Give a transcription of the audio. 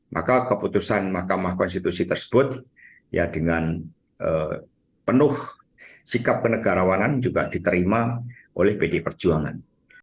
maka keputusan mahkamah konstitusi tersebut dengan penuh sikap kenegarawanan juga diterima oleh pd perjuangan